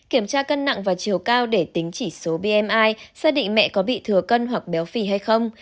kiểm tra cân nặng và chiều cao để tính chỉ số bmi xác định mẹ có bị thừa cân hoặc béo phì hay không